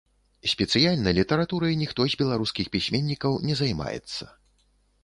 Спецыяльна літаратурай ніхто з беларускіх пісьменнікаў не займаецца.